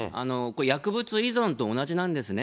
薬物依存と同じなんですね。